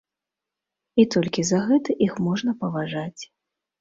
І толькі за гэта іх можна паважаць.